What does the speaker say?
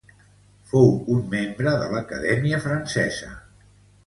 Fou un membre de l'Acadèmia Francesa.